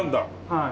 はい。